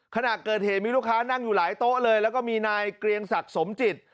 ขณะเกิดเหตุมีลูกค้านั่งอยู่หลายโต๊ะเลยแล้วก็มีนายเกรียงศักดิ์สมจิต